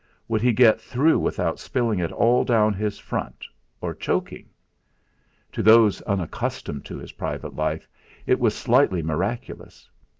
Would he get through without spilling it all down his front, or choking? To those unaccustomed to his private life it was slightly miraculous.